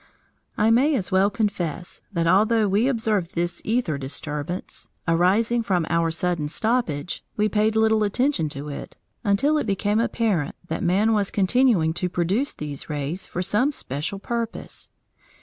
I may as well confess that although we observed this æther disturbance arising from our sudden stoppage, we paid little attention to it, until it became apparent that man was continuing to produce these rays for some special purpose.